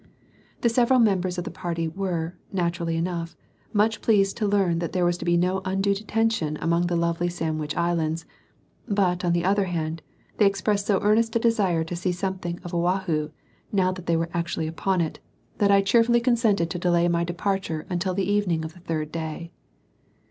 The several members of the party were, naturally enough, much pleased to learn that there was to be no undue detention among the lovely Sandwich Islands; but, on the other hand, they expressed so earnest a desire to see something of Oahu, now that they were actually upon it, that I cheerfully consented to delay my departure until the evening of the third day.